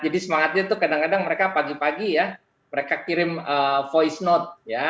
jadi semangatnya itu kadang kadang mereka pagi pagi ya mereka kirim voice note